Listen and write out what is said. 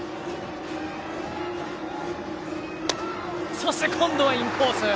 そして今度はインコース！